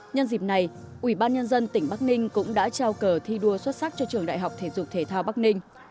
nhân dịp này ubnd tỉnh bắc ninh cũng đã trao cờ thi đua xuất sắc cho trường đại học thể dục thể thao bắc ninh